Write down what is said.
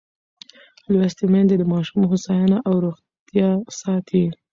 لوستې میندې د ماشوم هوساینه او روغتیا ساتي.